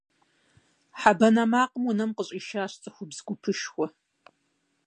Хьэ банэ макъым унэм къыщӀишащ цӀыхубз гупышхуэ.